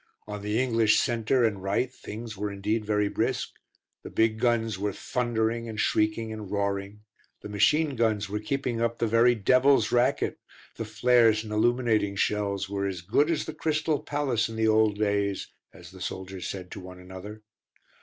On the English centre and right things were indeed very brisk; the big guns were thundering and shrieking and roaring, the machine guns were keeping up the very devil's racket; the flares and illuminating shells were as good as the Crystal Palace in the old days, as the soldiers said to one another.